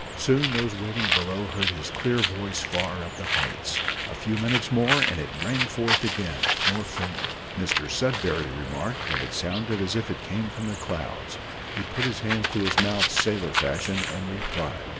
Soon those waiting below heard his clear voice far up the heights. A few minutes more, and it rang forth again more faintly. Mr Sudberry remarked that it sounded as if it came from the clouds: he put his hands to his mouth sailor fashion, and replied.